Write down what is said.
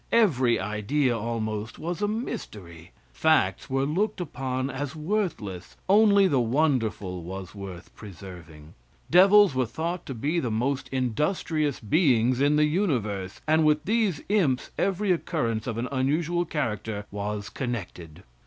Every idea, almost, was a mystery. Facts were looked upon as worthless; only the wonderful was worth preserving. Devils were thought to be the most industrious beings in the universe, and with these imps every occurrence of an unusual character was connected.